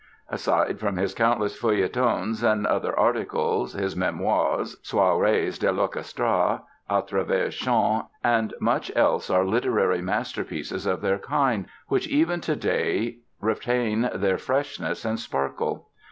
Aside from his countless feuilletons and other articles, his Memoirs, Soirées de l'Orchestre, A Travers Chants and much else are literary masterpieces of their kind, which even today retain their freshness and sparkle.